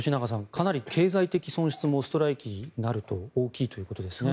かなり経済的損失もストライキになると大きいということですね。